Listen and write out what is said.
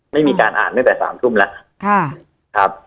ไม่มีการอ่านตั้งแต่๓ทุ่มแล้ว